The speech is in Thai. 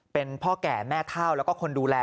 เป็นพ่อแก่แม่เท่าแล้วก็คนดูแล